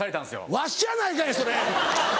わしやないかいそれ！